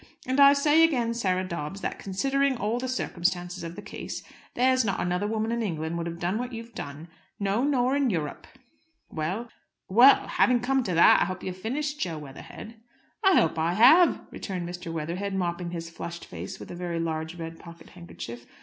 And I say again, Sarah Dobbs, that, considering all the circumstances of the case, there's not another woman in England would have done what you've done. No, nor in Europe!" "Well, having come to that, I hope you've finished, Jo Weatherhead." "I hope I have," returned Mr. Weatherhead, mopping his flushed face with a very large red pocket handkerchief.